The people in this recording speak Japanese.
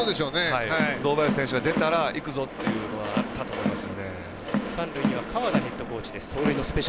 堂林選手が出たらいくぞっていうのがあったと思います。